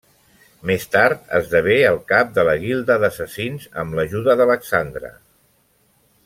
Més tard esdevé el cap de la guilda d'assassins, amb l'ajuda d'Alexandra.